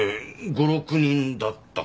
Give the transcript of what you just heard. ５６人だったかな？